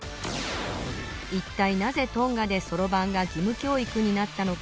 いったいなぜトンガでそろばんが義務教育になったのか